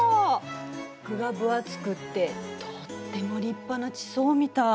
具が分厚くってとっても立派な地層みたい。